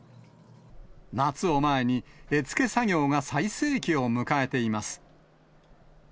夏を前に、絵付け作業が最盛期を迎えています。